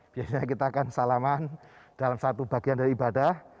biasanya kita akan salaman dalam satu bagian dari ibadah